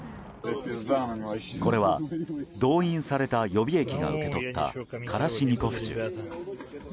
これは動員された予備役が受け取ったカラシニコフ銃。